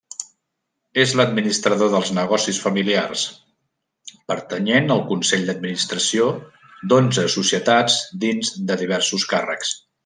És l'administrador dels negocis familiars, pertanyent al consell d'administració d'onze societats dins de diversos càrrecs.